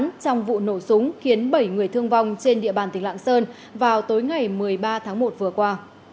trong vụ nổ súng khiến bảy người thương vong trên địa bàn tỉnh lạng sơn vào tối ngày một mươi ba tháng một vừa qua